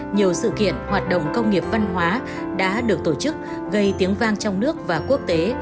nhiều sự kiện hoạt động công nghiệp văn hóa đã được tổ chức gây tiếng vang trong nước và quốc tế